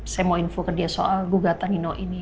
saya mau info ke dia soal gugatan nino ini